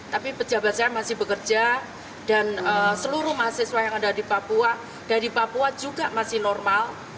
tapi pejabat saya masih bekerja dan seluruh mahasiswa yang ada di papua dari papua juga masih normal